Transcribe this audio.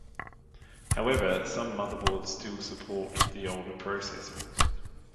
However, some motherboards still support the older processors.